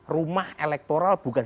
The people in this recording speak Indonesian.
rumah elektoral bukan